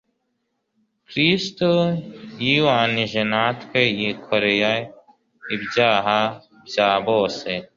Kristo yihwanije natwe, yikoreye ibyaha bya bose.